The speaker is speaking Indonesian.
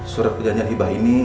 surat perjanjian ibah ini